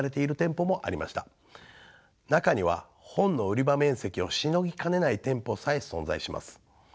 中には本の売り場面積をしのぎかねない店舗さえ存在します。